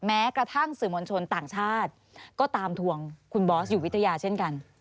แม้กระทั่งสื่อมวลชนต่างชาติก็ตามทวงคุณบอสอยู่วิทยาเช่นกัน